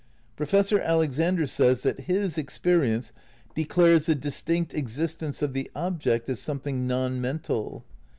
Professor Alexander says that his experience "declares the distinct existence of the object as something non<; mental."